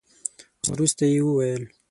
وروسته يې وويل.